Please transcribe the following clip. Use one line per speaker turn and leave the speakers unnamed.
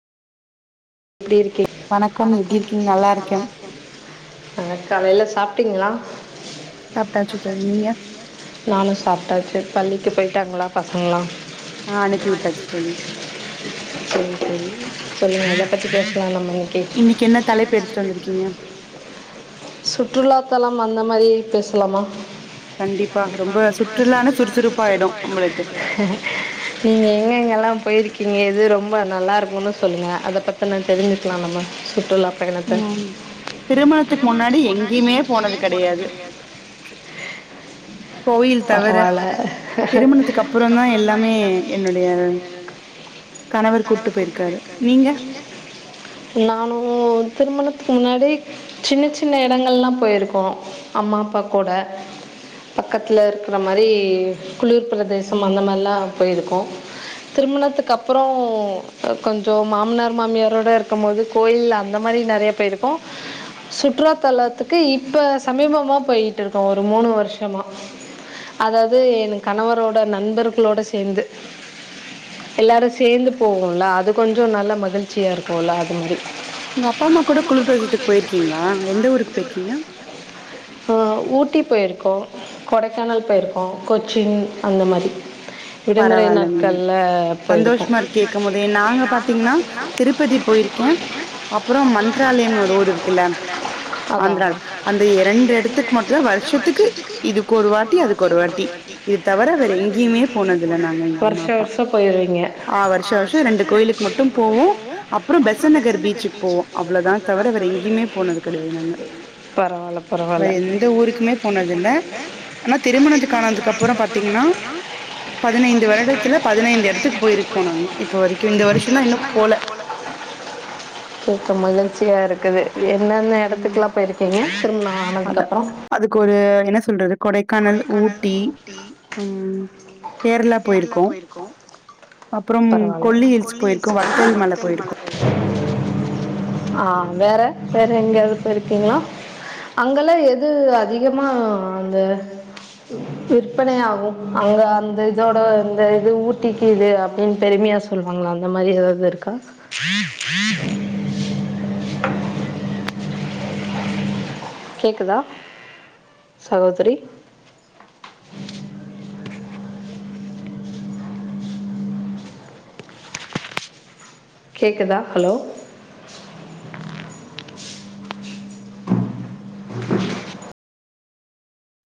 எப்டி இருக்கிங்
வணக்கம் எப்டிருக்கிங்க் நல்லாருக்கே
அ காலைல சாப்ட்டீங்ளா
சாப்ட்டாச்சு தோழி நீங்க
நானு சாப்ட்டாச்சு பள்ளிக்கு பெய்ட்டாங்ளா பசங்லாம் நாளைக்கி [inaudible] செரிங் தோழி சொல்லுங்க அதா பத்தி பேஸ்லா நம்ம இன்க்கி இன்னிக்கி என்ன தலைப்பு எடுத்துட்டு வந்துருக்கீங்க சுற்றுலாத்தளம் அந்த மாரி பேசுலாமா கண்டிப்பா சுற்றுழா சுற்றுலான சுறுசுறுப் ஆயிடு [inaudible] நீங்க எங்கெங்கெல்லா போய்ருக்கீங்க எது ரொம்ப நல்லாருக்குனு சொல்லுங்க அத பத் துன தெரிஞ்சுக்லா நம்ம சுற்றுலா
ம் திருமணத்துக்கு முன்னாடி எங்யுமே போனது கடையாது கோயில் தவிர திருமணத்துக்கு அப்புறோந்தா எல்லாமே என்னுடைய கணவர் கூட்டு போய்ருக்காரு நீங்க
நானு திருமணத்துக் முன்னாடி சின்ன சின்ன எடங்கள்லா போய்ருக்கோ அம்மா அப்பா கூட பக்கத்ல இருக்குற மாரி குளிர் பிரதேசம் அந்த மர்லா போய்ருக்கோ திருமணத்துக் அப்புறோ கொஞ்சோ மாம்னார் மாம்யாரோட இருக்கம்மோது கோயில் அந்த மாரி நெறையா பேய்ருக்கோ சுற்றுலாத்தலத்துக்கு இப்ப சமீபமா போயிட்ருக்கோ ஒரு மூணு வர்ஷமா அதாவ்து எனு கணவரோட நண்பர்க்ளோட சேந்து எல்லாரு சேந்து போகுல்ல அது கொஞ்ச நல்ல மகிழ்ச்சியா இருக்குல்ல அது மரி
உங்க அப்பா அம்மா கூட குளிர் பிரஜத்துக் போய்ருக்கீங்ளா எந்த ஊருக்கு பேயிர்க்கீங்க
ஆ ஊட்டி பொய்ருக்கோ கொடைக்கானல் பொய்ருக்கோ கொச்சின் அந்த மாரி விடுமுறை நாட்கள்ல போய்ருக்கோ
கேக்குமொதே நாங்க பாத்தீங்னா திருப்பதி போய்ருக்கே அப்புறோ மந்ராலயம்னு ஒரு ஊரு இருக்குல்ல ஆந்ரால அந்த எ ரெண்டு எடத்துக்கு மட்டு வர்ஷத்துக்கு இதுக் ஒரு வாட்டி அதுக்கு ஒரு வாட்டி இது தவர வேற எங்யிமே போனதுல்ல நாங்க எங்க அம்மா அப்பா ஆ வருஷ வருஷ ரெண்டு கோய்லுக்கு மட்டு போவோ அப்புற பெசன் நகர் பீச்சுக்போவோ அவ்ளதா தவர வேற எங்யுமே போனது கடயாது நாங்க வேற எந்த ஊருக்குமே போனது இல்ல அனா திருமணத்து காணதுக்கு அப்புற பாத்தீங்கன்னா
பதினைந்து வருடத்துல பதினைந்து எடத்துக்கு போய்ருப்போ இப்போவரிக்கு நாங்க இந்த வருஷந்தா இன்னு [inaudible] இப்ப மகிழ்ச்சியா இருக்குது என்னென்ன இடத்துக்லா போயிருக்கீங்க திருமணோ ஆனதுக்கப்றோ
அதுக்கொரு என்ன சொல்றது
கொடைக்கானல் ஊட்டி ம் கேர்ளா போயிருக்கோ பரவால்ல ஆ வேற வேற எங்யாது போய்ருக்கீங்ளா அங்கெல்லா எது அதிகமா அந்த விற்பனை ஆகு அங்க அந்த இதோட இந்த இது ஊட்டிக்கு இது அப்டின் பெருமையா சொ சொல்வோம்ளா அந்த மாரி எதாவ்து இருக்கா கேக்குதா சகோதரி கேக்குதா ஹலோ